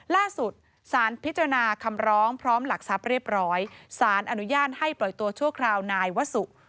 ล่าสุดสารพิจารณาคำร้องพร้อมหลักทรัพย์เรียบร้อยสารอนุญาตให้ปล่อยตัวชั่วคราวนายวสุ